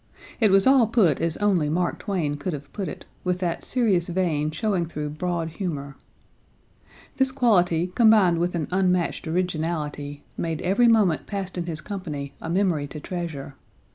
It was all put as only Mark Twain could have put it, with that serious vein showing through broad humour. This quality combined with an unmatched originality, made every moment passed in his company a memory to treasure.